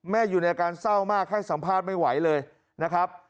อยู่ในอาการเศร้ามากให้สัมภาษณ์ไม่ไหวเลยนะครับ